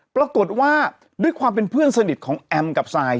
ปรากฏว่าด้วยความเป็นเพื่อนสนิทของแอมกับซาย